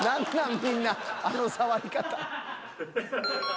みんなあの触り方］